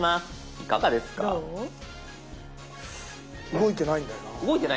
動いてないんだよな。